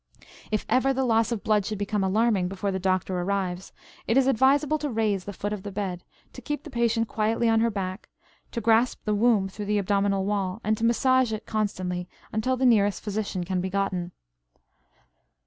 If ever the loss of blood should become alarming before the doctor arrives, it is advisable to raise the foot of the bed, to keep the patient quietly on her back, to grasp the womb through the abdominal wall, and to massage it constantly until the nearest physician can be gotten.